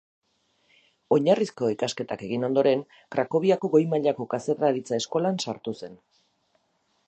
Oinarrizko ikasketak egin ondoren, Krakoviako goi-mailako kazetaritza-eskolan sartu zen.